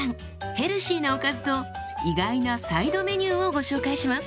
ヘルシーなおかずと意外なサイドメニューをご紹介します。